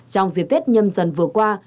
trong dịp tết nhâm dần vừa qua